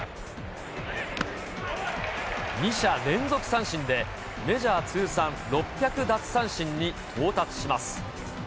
２者連続三振で、メジャー通算６００奪三振に到達します。